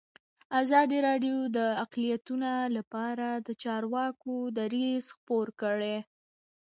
ازادي راډیو د اقلیتونه لپاره د چارواکو دریځ خپور کړی.